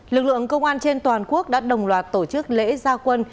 lực lượng công an trên toàn quốc đã đồng loạt tổ chức lễ gia quân